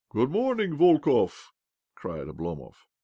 " Good morning, Volkov !" cried Oblomtov.